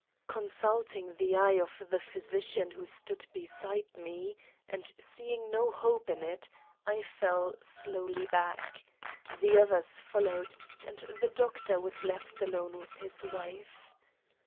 Consulting the eye of the physician who stood beside me, and seeing no hope in it, I fell slowly back. The others followed, and the Doctor was left alone with his wife.